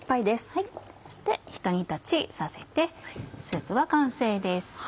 ひと煮立ちさせてスープは完成です。